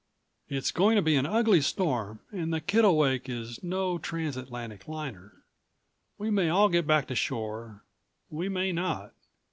It's going to be an ugly storm and the Kittlewake is no trans Atlantic liner. We may all get back to shore. We may not.